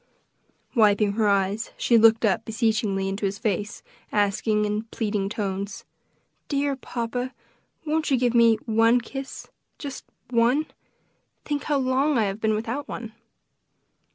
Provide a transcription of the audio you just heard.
Wiping her eyes, she looked up beseechingly into his face, asking, in pleading tones, "Dear papa, won't you give me one kiss just one? Think how long I have been without one."